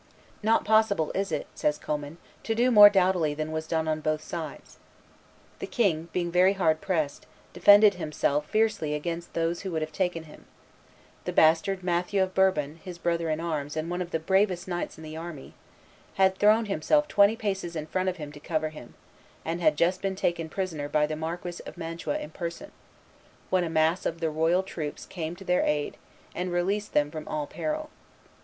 "Not possible is it," says Commynes, "to do more doughtily than was done on both sides." The king, being very hard pressed, defended himself fiercely against those who would have taken him; the bastard Matthew of Bourbon, his brother in arms and one of the bravest knights in the army, had thrown himself twenty paces in front of him to cover him, and had just been taken prisoner by the Marquis of Mantua in person, when a mass of the royal troops came to their aid, and released them from all peril.